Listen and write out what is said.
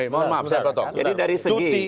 mohon maaf saya potong jadi dari segi